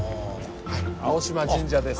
青島神社です。